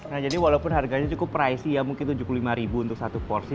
nah jadi walaupun harganya cukup pricey ya mungkin tujuh puluh lima untuk satu porsi